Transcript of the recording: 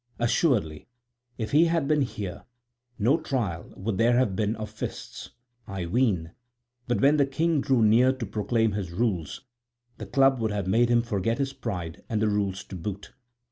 Assuredly, if he had been here, no trial would there have been of fists, I ween, but when the king drew near to proclaim his rules, the club would have made him forget his pride and the rules to boot.